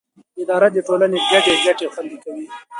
اداره د ټولنې ګډې ګټې خوندي کوي.